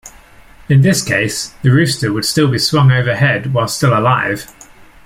In this case, the rooster would be swung overhead while still alive.